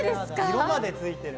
色までついてる。